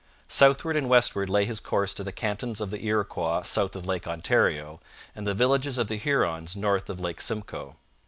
Southward and westward lay his course to the cantons of the Iroquois south of Lake Ontario and the villages of the Hurons north of Lake Simcoe.